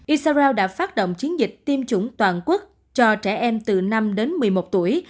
isarao đã phát động chiến dịch tiêm chủng toàn quốc cho trẻ em từ năm đến một mươi một tuổi